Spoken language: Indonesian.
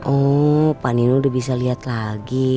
oh pak nino udah bisa lihat lagi